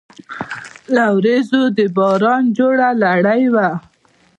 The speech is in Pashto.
له وریځو د باران جوړه لړۍ وه